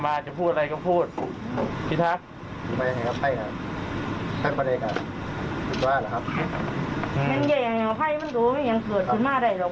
มันยังไงครับไฟล์มันรู้ว่ามันยังเกิดขึ้นมาได้หรอก